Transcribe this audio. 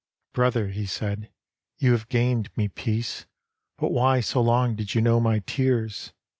" Brother," he said, " you have gained me peace. But why so long did you know my tears.